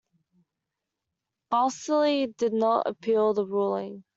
Balsillie did not appeal the ruling.